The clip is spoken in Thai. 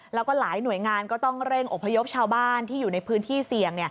แล้วก็หลายหน่วยงานก็ต้องเร่งอพยพชาวบ้านที่อยู่ในพื้นที่เสี่ยง